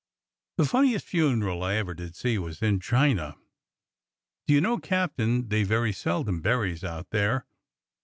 The fun niest funeral I ever did see was in China. Do you know, Captain, they very seldom buries out there?